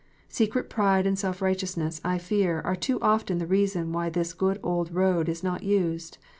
Secret pride and self righteousness, I fear, are too often the reason why this good old road is not used.